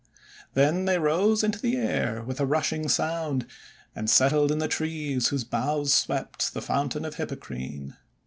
Then they rose into the air with a rushing sound, and settled in the trees whose boughs swept the Fountain of Hippocrene.